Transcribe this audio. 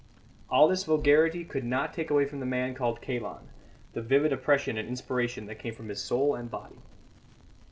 All this vulgarity could not take away from the man called Kalon the vivid oppression and inspiration that came from his soul and body.